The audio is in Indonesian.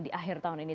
di akhir tahun ini